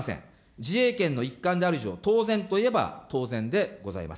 自衛権の一環である以上、当然といえば当然でございます。